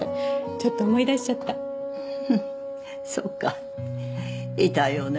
ちょっと思い出しちゃったふっそうか痛いよね